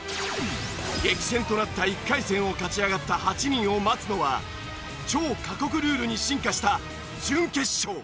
激戦となった１回戦を勝ち上がった８人を待つのは超過酷ルールに進化した準決勝。